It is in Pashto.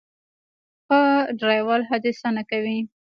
ښه ډرایور حادثه نه کوي.